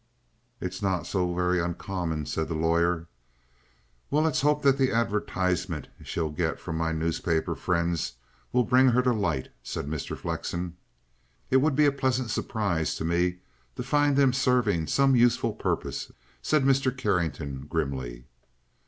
"It's not so very uncommon," said the lawyer. "Well, let's hope that the advertisement she'll get from my newspaper friends will bring her to light," said Mr. Flexen. "It would be a pleasant surprise to me to find them serving some useful purpose," said Mr. Carrington grimly.